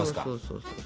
そうそう。